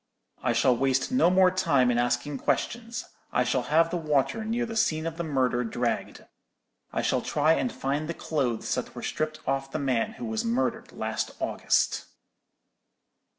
"'I shall waste no more time in asking questions. I shall have the water near the scene of the murder dragged. I shall try and find the clothes that were stripped off the man who was murdered last August!'" CHAPTER XXXIX.